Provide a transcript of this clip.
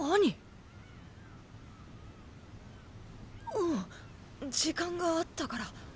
うん時間があったから。